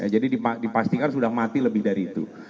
jadi dipastikan sudah mati lebih dari itu